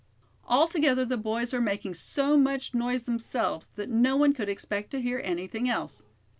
Altogether the boys were making so much noise themselves that no one could expect to hear anything else.